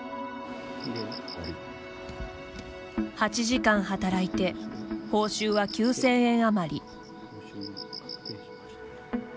８時間働いて報酬は９０００円あまり。